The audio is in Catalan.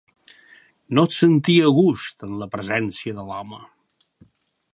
No es sentia a gust amb la presència de l'home.